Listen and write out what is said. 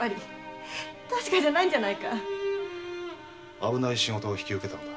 危ない仕事を引き受けたのだ。